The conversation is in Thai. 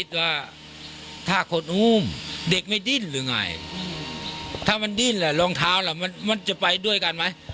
ถ้ามันดิ้นล่ะรองเท้าล่ะมันจะไปด้วยกันไหม